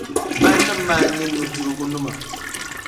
Bannim’ maa n-nyɛ nudirgu nima.